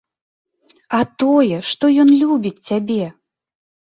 А тое, што ён любіць цябе.